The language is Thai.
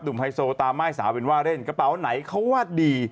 ไฮโซตามม่ายสาวเป็นว่าเล่นกระเป๋าไหนเขาว่าดี